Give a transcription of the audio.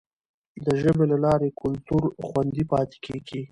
د ژبي له لارې کلتور خوندي پاتې کیږي.